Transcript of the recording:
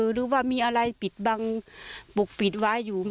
หรือว่ามีอะไรปิดบังปกปิดไว้อยู่